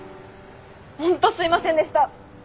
本当すいませんでした！